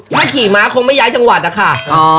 ถ้าขี่ม้าคงไม่ย้ายจังหวัดนะคะ